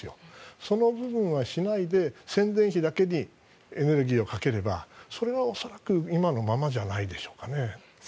その部分はしないで宣伝費だけにエネルギーをかければ今のままじゃないでしょうかね。